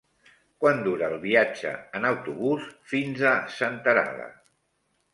Quant dura el viatge en autobús fins a Senterada?